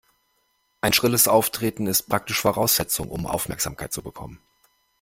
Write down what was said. Ein schrilles Auftreten ist praktisch Voraussetzung, um Aufmerksamkeit zu bekommen.